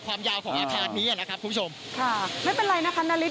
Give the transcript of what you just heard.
ความยาวของอาคารนี้อ่ะนะครับคุณผู้ชมค่ะไม่เป็นไรนะคะนาริส